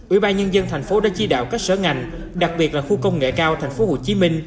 ubnd tp hcm đã chi đạo các sở ngành đặc biệt là khu công nghệ cao tp hcm